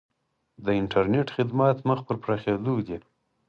د انټرنیټ خدمات مخ په پراخیدو دي